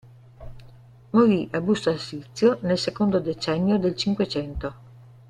Morì a Busto Arsizio nel secondo decennio del Cinquecento.